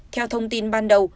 theo thông tin ban đầu